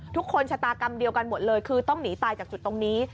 ชะตากรรมเดียวกันหมดเลยคือต้องหนีตายจากจุดตรงนี้